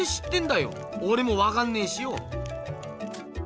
おれもわかんねえしよ。